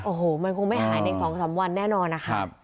โอ้โหมันคงไม่หายใน๒๓วันแน่นอนนะคะ